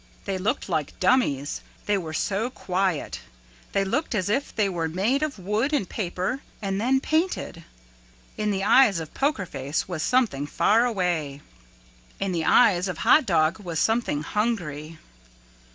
They looked like dummies they were so quiet. They looked as if they were made of wood and paper and then painted. In the eyes of Poker Face was something faraway. In the eyes of Hot Dog was something hungry.